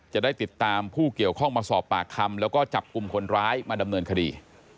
จะได้ติดตามผู้เกี่ยวข้องมาสอบปากคำแล้วก็จับกลุ่มคนร้ายมาดำเนินคดี